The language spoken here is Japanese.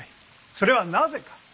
それはなぜか？